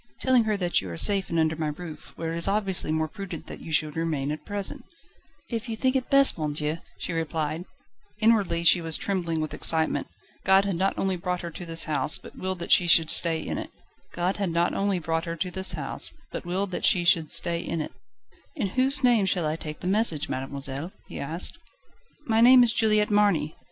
telling her that you are safe and under my roof, where it is obviously more prudent that you should remain at present." "If you think it best, monsieur," she replied. Inwardly she was trembling with excitement. God had not only brought her to this house, but willed that she should stay in it. "In whose name shall I take the message, mademoiselle?" he asked. "My name is Juliette Marny."